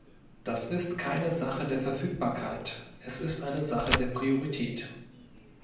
Das ist keine Sache der Verfügbarkeit, es ist eine Sache der Priorität.